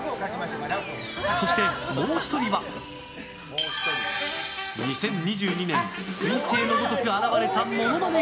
そして、もう１人は２０２２年、彗星のごとく現れたモノマネ